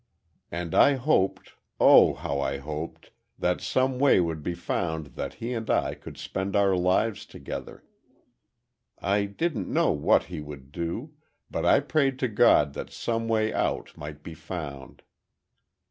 And I hoped, oh, how I hoped, that some way would be found that he and I could spend our lives together. I didn't know what he would do—but I prayed to God that some way out might be found.